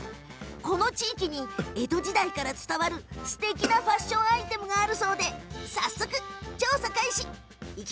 この地域に江戸時代から伝わるすてきなファッションアイテムがあるそうで早速、調査開始。